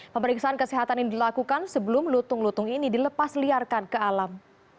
pemeriksaan kesehatan ini dilakukan sebelum lutung lutung ini dilepas liarkan ke alam